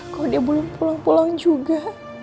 kalau dia belum pulang pulang juga